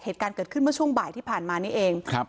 เหตุการณ์เกิดขึ้นเมื่อช่วงบ่ายที่ผ่านมานี่เองครับ